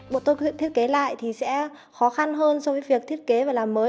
bọn tôi thiết kế lại thì sẽ khó khăn hơn so với việc thiết kế và làm mới